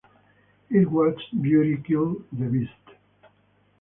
It was Beauty killed the Beast.